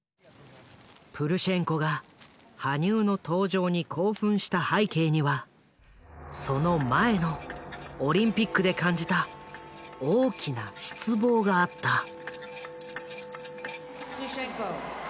プルシェンコが羽生の登場に興奮した背景にはその前のオリンピックで感じた大きな失望があった。